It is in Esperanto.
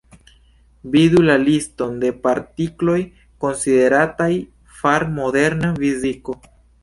Vidu la liston de partikloj, konsiderataj far moderna fiziko.